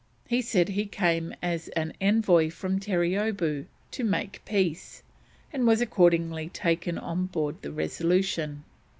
He said he came as an envoy from Terreeoboo to make peace, and was accordingly taken on board the Resolution.